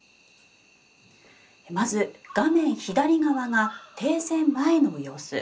まず画面左側が停戦前の様子。